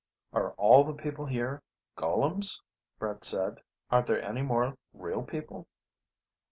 "Are all the people here ... golems?" Brett said. "Aren't there any more real people?"